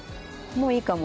もういいかも。